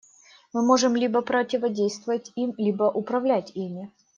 Мы можем либо противодействовать им, либо управлять ими.